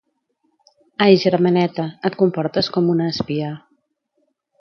Ai germaneta, et comportes com una espia.